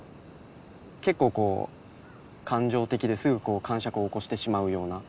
結構こう感情的ですぐかんしゃくを起こしてしまうような。